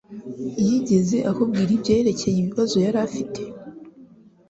Yigeze akubwira ibyerekeye ibibazo yari afite?